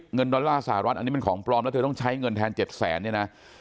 เงินดอลลาร์สหรัฐอันนี้มันของปลอมแล้วใช้เงินแทนเจ็ดแสนเนี่ยนะ